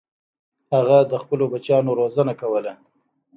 هغه د خپلو بچیانو روزنه کوله.